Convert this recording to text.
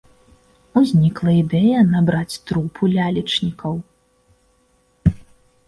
Узнікла ідэя набраць трупу лялечнікаў.